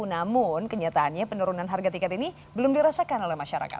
namun kenyataannya penurunan harga tiket ini belum dirasakan oleh masyarakat